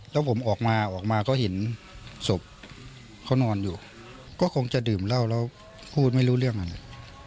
แล้วผมออกมาออกมาก็เห็นศพเขานอนอยู่ก็คงจะดื่มเหล้าแล้วพูดไม่รู้เรื่องอะไร